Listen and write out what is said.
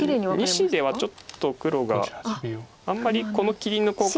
２子ではちょっと黒があんまりこの切りの交換。